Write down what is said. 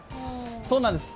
そうなんです